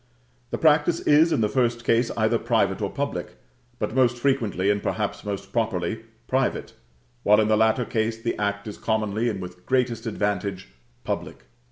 The practice is, in the first case, either private or public; but most frequently, and perhaps most properly, private; while, in the latter case, the act is commonly, and with greatest advantage, public.